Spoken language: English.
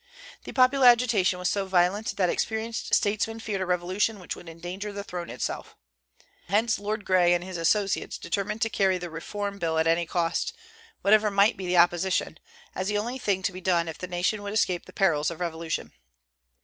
The popular agitation was so violent that experienced statesmen feared a revolution which would endanger the throne itself. Hence Lord Grey and his associates determined to carry the Reform Bill at any cost, whatever might be the opposition, as the only thing to be done if the nation would escape the perils of revolution.